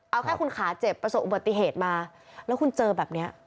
เอาแค่คุณขาเจ็บประสบอุบัติเหตุมาแล้วคุณเจอแบบนี้